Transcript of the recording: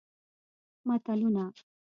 متلونه